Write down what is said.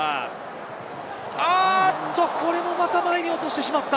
これもまた前に落としてしまった。